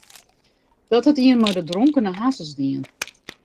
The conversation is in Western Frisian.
Dat hat ien mei de dronkene harsens dien.